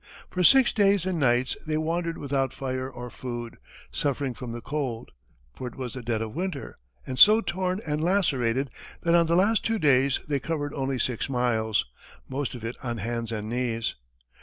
For six days and nights, they wandered without fire or food, suffering from the cold, for it was the dead of winter, and so torn and lacerated that on the last two days they covered only six miles, most of it on hands and knees.